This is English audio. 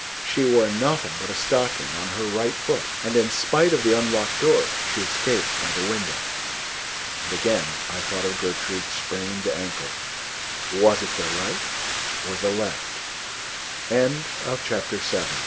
She wore nothing but a stocking on her right foot, and, in spite of the unlocked door, she escaped by the window." And again I thought of Gertrude's sprained ankle. Was it the right or the left? CHAPTER VIII. THE OTHER HALF OF